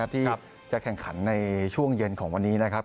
ที่จะแข่งขันในช่วงเย็นของวันนี้นะครับ